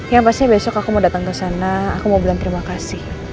yang pastinya besok aku mau datang kesana aku mau bilang terima kasih